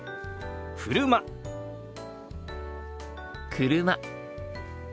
車。